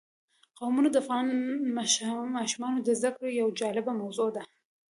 قومونه د افغان ماشومانو د زده کړې یوه جالبه موضوع ده.